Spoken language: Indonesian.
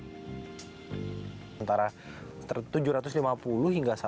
meski baru berjalan beberapa bulan kerjasamanya dengan putri terbilang cukup menghasilkan